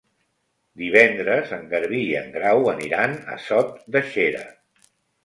Divendres en Garbí i en Grau aniran a Sot de Xera.